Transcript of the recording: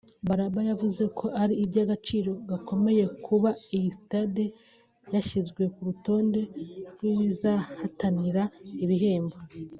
Balaba yavuze ko ari iby’agaciro gakomeye kuba iyi stade yashyizwe ku rutonde rw’izihatanira ibihembo